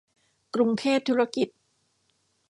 กรุงเทพธุรกิจ